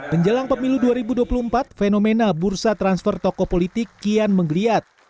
menjelang pemilu dua ribu dua puluh empat fenomena bursa transfer tokoh politik kian menggeliat